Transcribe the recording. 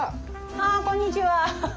ああこんにちは。